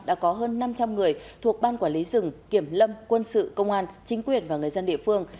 đã có hơn năm trăm linh người thuộc ban quản lý rừng kiểm lâm quân sự công an chính quyền và người dân địa phương